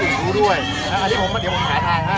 นี้ผมก็เดี๋ยวผมจะหาทางให้